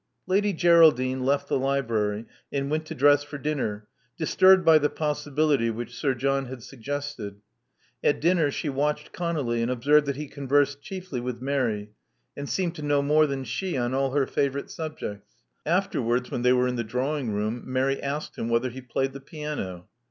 Lady Geraldine left the library, and went to dress for dinner, disturbed by the possibility which Sir John had suggested. At dinner she watched ConoUy, and observed that he conversed chiefly with Mary, and seemed to know more than she on all her favorite sub jects. Afterwards, when they were in the drawing room, Mary asked him whether he played the piano.